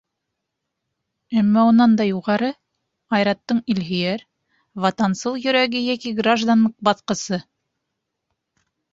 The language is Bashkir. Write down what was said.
Әммә унан да юғары — Айраттың илһөйәр, ватансыл йөрәге йәки гражданлыҡ баҫҡысы!